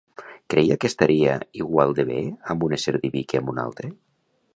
Creia que estaria igual de bé amb un ésser diví que amb un altre?